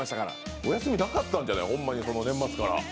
お休みなかったんじゃない、年末から？